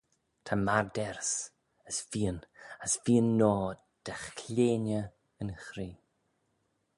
Ta maarderys, as feeyn, as feeyn noa dy chleayney yn cree.